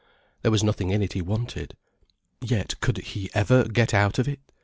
There was nothing in it he wanted. Yet could he ever get out of it?